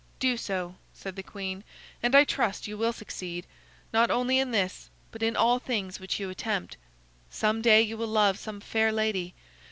"Do so," said the queen, "and I trust you will succeed, not only in this, but in all things which you attempt. Some day you will love some fair lady.